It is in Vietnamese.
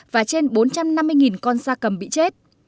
và trên bốn trăm năm mươi con da cầm bị chết